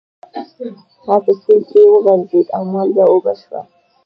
خر په سیند کې وغورځید او مالګه اوبه شوه.